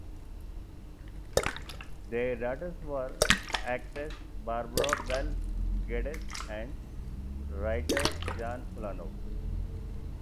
Their daughters were actress Barbara Bel Geddes and writer Joan Ulanov.